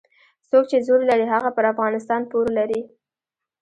څوک چې زور لري هغه پر افغانستان پور لري.